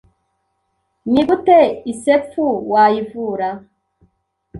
Ni gute isepfu wayivura